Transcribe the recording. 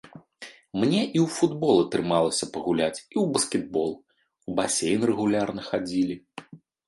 Мне і ў футбол атрымалася пагуляць, і ў баскетбол, у басейн рэгулярна хадзілі.